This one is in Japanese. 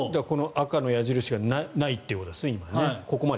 赤の矢印が今、ないということですね。